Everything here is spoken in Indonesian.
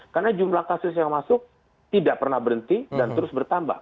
karena jumlah kasus yang masuk tidak pernah berhenti dan terus bertambah